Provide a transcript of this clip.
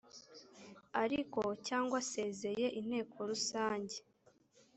ariko cyangwa asezeye inteko rusange